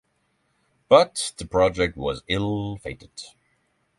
But the project was ill-fated.